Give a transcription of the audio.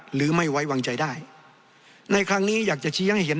หรือไม่ไว้วางใจได้ในครั้งนี้อยากจะชี้ให้เห็น